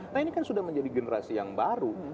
nah ini kan sudah menjadi generasi yang baru